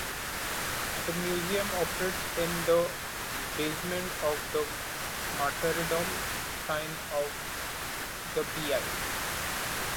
The Museum operates in the basement of the Martyrdom Shrine of the Bl.